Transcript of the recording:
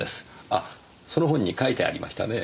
あその本に書いてありましたね。